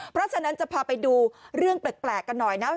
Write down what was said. เพราะฉะนั้นจะพาไปดูเรื่องแปลกกันหน่อยนะ